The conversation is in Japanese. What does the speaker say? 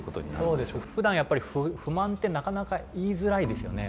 ふだんやっぱり不満ってなかなか言いづらいですよね。